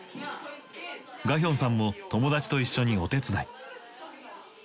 ガヒョンさんも友達と一緒にお手伝い。